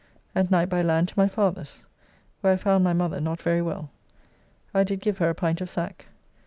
At night by land to my father's, where I found my mother not very well. I did give her a pint of sack.